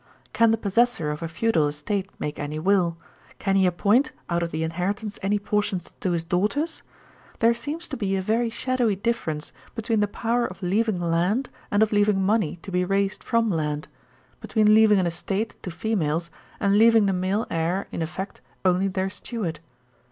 'Can the possessor of a feudal estate make any will? Can he appoint, out of the inheritance, any portions to his daughters? There seems to be a very shadowy difference between the power of leaving land, and of leaving money to be raised from land; between leaving an estate to females, and leaving the male heir, in effect, only their steward.